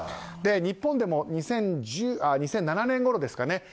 日本でも２００７年ごろですかね